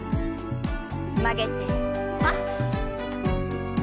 曲げてパッ。